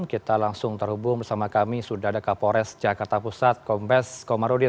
kita langsung terhubung bersama kami sudadaka pores jakarta pusat kompas komarudin